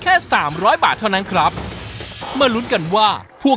แค่ไม่กินไก่กับเนื้อวัว